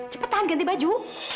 cepetan ganti baju